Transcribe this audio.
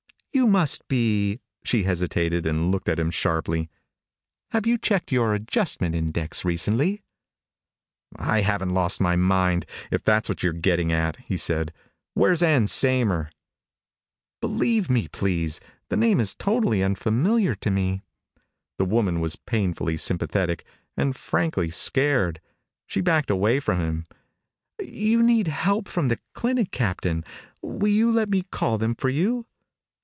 "You must be " She hesitated and looked at him sharply. "Have you checked your adjustment index recently?" "I haven't lost my mind, if that's what you're getting at," he said. "Where's Ann Saymer?" "Believe me, please. The name is totally unfamiliar to me." The woman was painfully sympathetic and frankly scared. She backed away from him. "You need help from the clinic, Captain. Will you let me call them for you?"